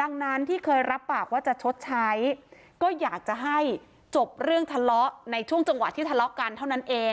ดังนั้นที่เคยรับปากว่าจะชดใช้ก็อยากจะให้จบเรื่องทะเลาะในช่วงจังหวะที่ทะเลาะกันเท่านั้นเอง